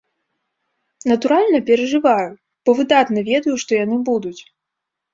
Натуральна, перажываю, бо выдатна ведаю, што яны будуць.